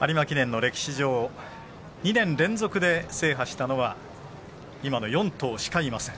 有馬記念の歴史上２年連続で制覇したのは今の４頭しかいません。